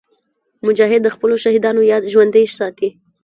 مجاهد د خپلو شهیدانو یاد ژوندي ساتي.